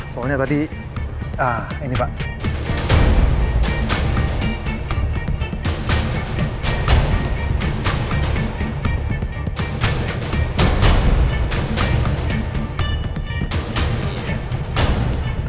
soalnya tadi ini pak